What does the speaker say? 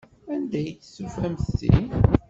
Anda ay d-tufam ti?